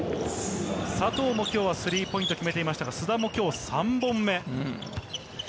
佐藤も今日はスリーポイント決めていましたが、須田も今日３本目。